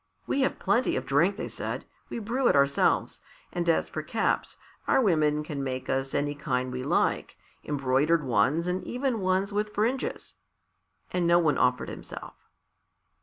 "We have plenty of drink," they said; "we brew it ourselves, and as for caps, our women can make us any kind we like embroidered ones and even ones with fringes." And no one offered himself.